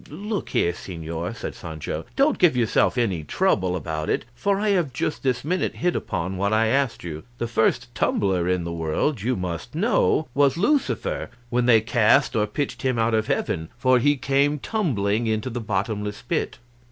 "Look here, señor," said Sancho, "don't give yourself any trouble about it, for I have just this minute hit upon what I asked you. The first tumbler in the world, you must know, was Lucifer, when they cast or pitched him out of heaven; for he came tumbling into the bottomless pit."